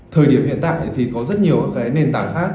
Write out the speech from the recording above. thời điểm hiện tại thì có rất nhiều cái nền tảng khác